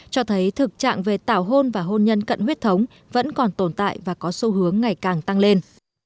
cho thấy thực trạng về tảo hôn và hôn nhân cận huyết thống vẫn còn tồn tại và có xu hướng ngày càng tăng lên